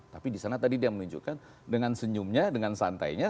tapi di sana tadi dia menunjukkan dengan senyumnya dengan santainya